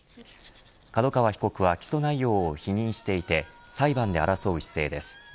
角川被告は起訴内容を否認していて裁判で争う姿勢です。